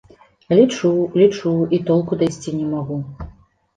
Лічу, лічу і толку дайсці не магу.